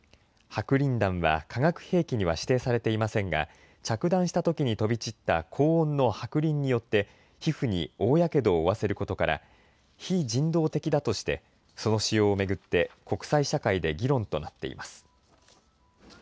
白リン弾は化学兵器には指定されていませんが着弾したときに飛び散った高温の白リンによって皮膚に大やけどを負わせることから非人道的だとしてその使用を巡って国際社会で議論となっています。